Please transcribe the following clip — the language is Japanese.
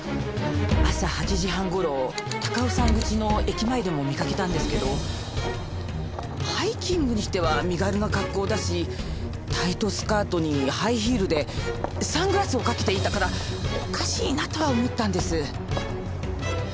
朝８時半頃高尾山口の駅前でも見かけたんですけどハイキングにしては身軽な格好だしタイトスカートにハイヒールでサングラスをかけていたからおかしいなとは思ったんです。